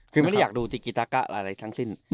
คือไม่ได้อยากดูจริงตะกะอะไรทั้งสิ้น